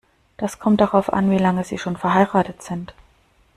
Das kommt darauf an, wie lange Sie schon verheiratet sind.